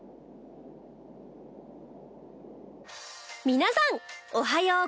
皆さんおはよう。